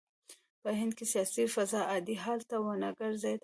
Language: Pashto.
په هند کې سیاسي فضا عادي حال ته ونه ګرځېده.